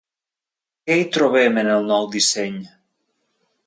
Que hi trobem en el nou disseny?